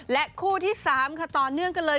และคู่ที่๓ค่ะต่อเนื่องกันเลย